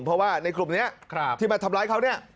เพราะว่าในกลุ่มนี้ที่มาทำร้ายเขาเนี่ย